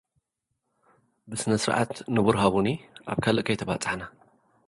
ብስነስርዓት ንቡር ሃቡኒ ኣብ ካልእ ከይተባጻሕና